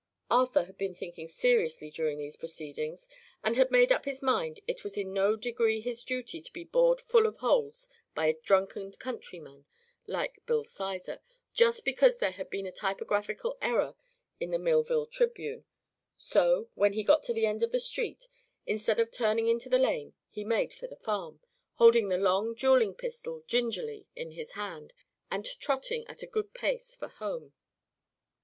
Arthur had been thinking seriously during these proceedings and had made up his mind it was in no degree his duty to be bored full of holes by a drunken countryman like Bill Sizer, just because there had been a typographical error in the Millville Tribune. So, when he got to the end of the street, instead of turning into the lane he made for the farm, holding the long dueling pistol gingerly in his hand and trotting at a good pace for home.